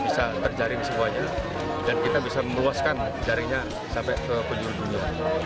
kita cari semuanya dan kita bisa memuaskan jaringnya sampai ke penjuru penjuru